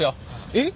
えっ？